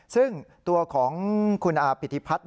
ซึ่งตัวของคุณอาปิติพัฒน์